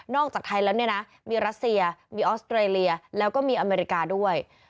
จากไทยแล้วเนี่ยนะมีรัสเซียมีออสเตรเลียแล้วก็มีอเมริกาด้วย